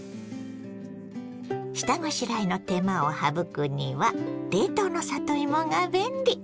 下ごしらえの手間を省くには冷凍の里芋が便利。